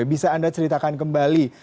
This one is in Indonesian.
bisa anda ceritakan kembali